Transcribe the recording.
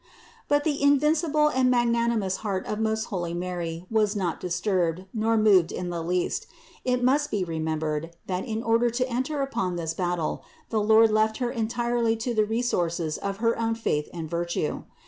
But the invincible and magnanimous heart of most holy Mary was not disturbed, nor moved in the least. It must be remembered, that in order to enter upon this battle, the Lord left Her entirely to the resources of her own faith and virtue.